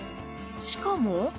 しかも。